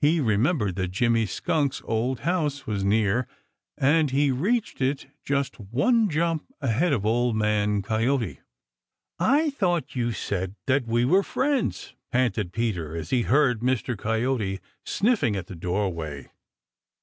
He remembered that Jimmy Skunk's old house was near, and he reached it just one jump ahead of Old Man Coyote. "I thought you said that we were friends," panted Peter, as he heard Mr. Coyote sniffing at the doorway.